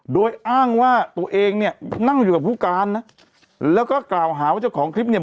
โดยอ้างว่าตัวเองเนี่ยนั่งอยู่กับผู้การนะแล้วก็กล่าวหาว่าเจ้าของคลิปเนี่ย